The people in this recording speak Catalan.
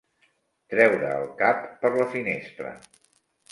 Treure el cap per la finestra.